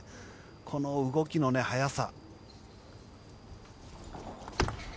この動きの速さ。